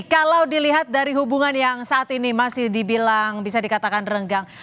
kalau dilihat dari hubungan yang saat ini masih dibilang bisa dikatakan renggang